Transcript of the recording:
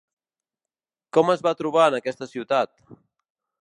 Com es va trobar en aquesta ciutat?